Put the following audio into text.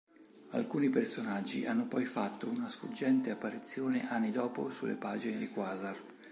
Alcuni personaggi hanno poi fatto una sfuggente apparizione anni dopo sulle pagine di Quasar.